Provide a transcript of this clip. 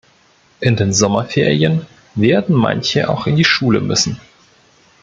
In den Sommerferien werden manche auch in die Schule müssen.